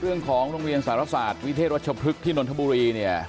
เรื่องของลุงเมียลวิเทศรัชพฤกษ์ที่นรถบุรี